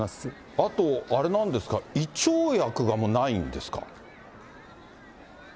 あとあれなんですか、胃腸薬がもうないんですか。